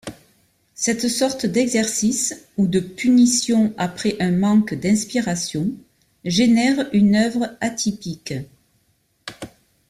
Cette sorte d'exercice, ou de punition après un manque d’inspiration, génère une œuvre atypique.